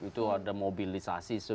itu ada mobilisasi